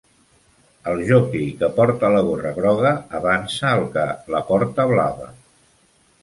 El joquei que porta la gorra groga avança el que la porta blava